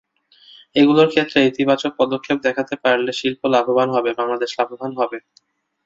এগুলোর ক্ষেত্রে ইতিবাচক পদক্ষেপ দেখাতে পারলে শিল্প লাভবান হবে, বাংলাদেশ লাভবান হবে।